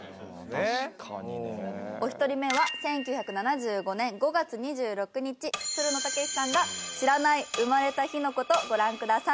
確かにね。お一人目は１９７５年５月２６日つるの剛士さんが知らない生まれた日の事ご覧ください。